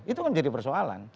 itu kan jadi persoalan